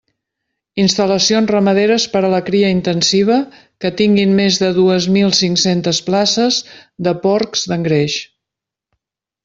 Instal·lacions ramaderes per a la cria intensiva que tinguin més de dues mil cinc-centes places de porcs d'engreix.